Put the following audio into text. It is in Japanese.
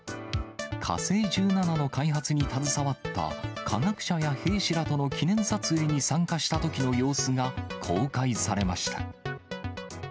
火星１７の開発に携わった科学者や兵士らとの記念撮影に参加したときの様子が公開されました。